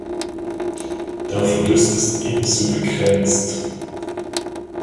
Der Verlust ist ebenso begrenzt.